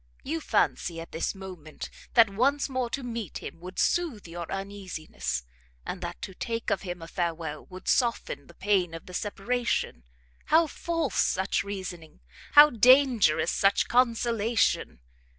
You fancy, at this moment, that once more to meet him would soothe your uneasiness, and that to take of him a farewell, would soften the pain of the separation: how false such reasoning! how dangerous such consolation!